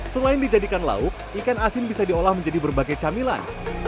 selain dijadikan lauk ikan asin bisa diolah menjadi berbagai camilan